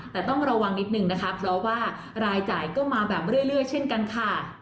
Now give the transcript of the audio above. แต่ต้องระวังนิดนึงนะคะเพราะว่ารายจ่ายก็มาแบบเรื่อยเช่นกันค่ะ